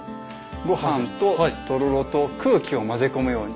御飯ととろろと空気を混ぜ込むように。